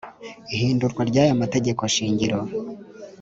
Ihindurwa ry aya mategeko shingiro